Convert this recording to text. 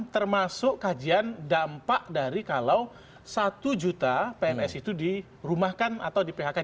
termasuk kajian dampak dari kalau satu juta pns itu dirumahkan atau di phk